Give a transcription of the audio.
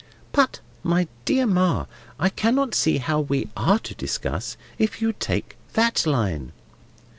"But, my dear Ma, I cannot see how we are to discuss, if you take that line."